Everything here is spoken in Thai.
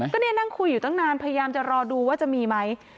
ก็เนี่ยนั่งคุยอยู่ตั้งนานพยายามจะรอดูว่าจะมีไหม